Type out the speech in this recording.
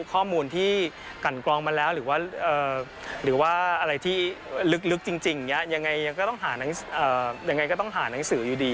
ข้อมูลที่กันกรองมาแล้วหรือว่าอะไรที่ลึกจริงอย่างไรก็ต้องหาหนังสืออยู่ดี